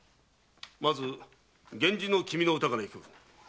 まず源氏の君の歌からいく。